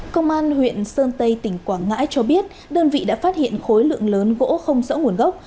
công an huyện sơn tây tỉnh quảng ngãi cho biết đơn vị đã phát hiện khối lượng lớn gỗ không rõ nguồn gốc